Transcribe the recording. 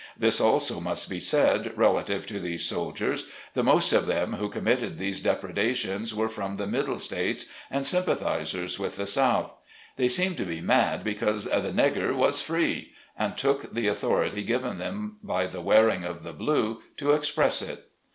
This, also, must be said, relative to these soldiers : the most of them who committed these depredations were from the Middle States, and sympathizers with the South. They seemed to be mad because the "negger" was free, and took the authority given them by the wearing of the blue to express it.